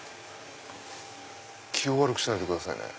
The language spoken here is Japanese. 気を悪くしないでくださいね。